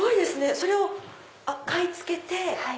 それを買い付けて。